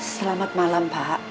selamat malam pak